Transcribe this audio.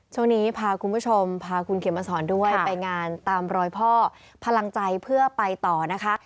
ช่วงนี้พาคุณผู้ชมพาคุณเขมมาสอนด้วยไปงานตามรอยพ่อพลังใจเพื่อไปต่อนะคะ